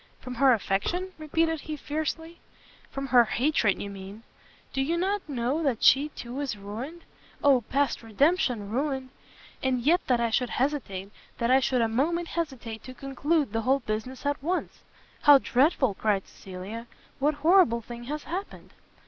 "From her affection?" repeated he, fiercely, "from her hatred you mean! do you not know that she, too, is ruined? Oh past redemption ruined! and yet that I should hesitate, that I should a moment hesitate to conclude the whole business at once!" "How dreadful!" cried Cecilia, "what horrible thing has happened?"